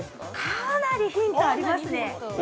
◆かなりヒントありますね。